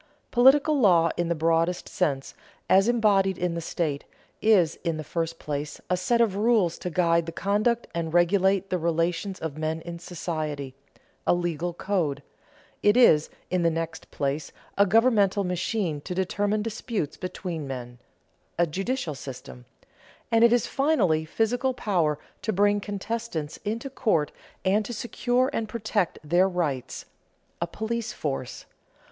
Political law in the broadest sense, as embodied in the state, is, in the first place, a set of rules to guide the conduct and regulate the relations of men in society a legal code; it is, in the next place, a governmental machine to determine disputes between men a judicial system; and it is, finally, physical power to bring contestants into court and to secure and protect their rights a police force.